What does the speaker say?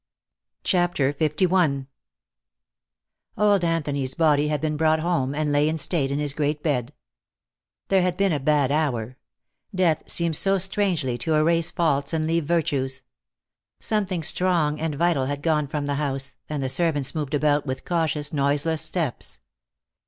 CHAPTER LI OLD Anthony's body had been brought home, and lay in state in his great bed. There had been a bad hour; death seems so strangely to erase faults and leave virtues. Something strong and vital had gone from the house, and the servants moved about with cautious, noiseless steps.